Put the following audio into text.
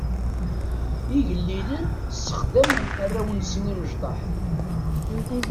Igellilen ssexdamen arraw-nsen imecṭaḥ.